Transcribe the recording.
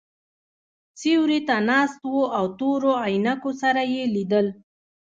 سیوري ته ناست وو او تورو عینکو سره یې لیدل.